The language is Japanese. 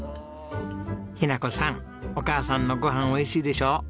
雛子さんお母さんのご飯おいしいでしょ。